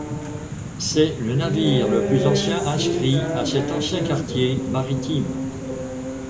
C'est le navire le plus ancien inscrit à cet ancien quartier maritime.